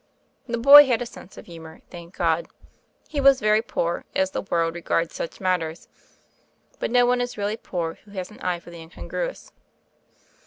The boy had a sense of humor, thank God. He was very poor, as the world regards such matters ; but no one is really poor who has an eye for the incongruous.